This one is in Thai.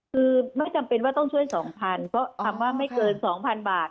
คือไม่จำเป็นว่าต้องช่วยสองพันก็คำว่าไม่เกินสองพันบาท